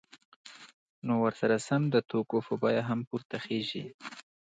نو ورسره سم د توکو بیه هم پورته خیژي